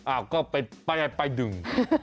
อ้าวก็เป็นป้ายดึง